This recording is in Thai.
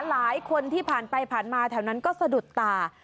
หลายคนที่ผ่านไปผ่านมาแถวนั้นก็สะดุดตา